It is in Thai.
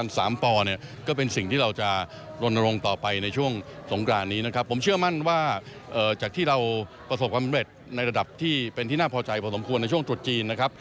นักท่องเที่ยวเดินทางมาสัมผัสสงครานที่ประเทศไทยเป็นจำนวนมากนะคะ